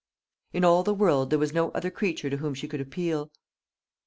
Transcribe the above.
In all the world, there was no other creature to whom she could appeal.